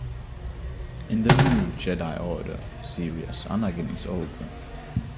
In "The New Jedi Order" series, Anakin is older.